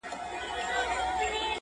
د ماپښین لمانځه ته یې هم